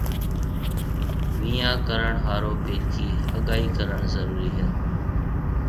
ويهان ڪرڻ هارون پيلڪِي هگائي ڪرڻ ضرُورِي هيَ۔